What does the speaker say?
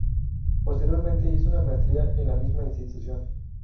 Posteriormente hizo una maestría en la misma institución.